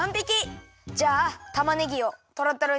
じゃあたまねぎをトロトロににこもう！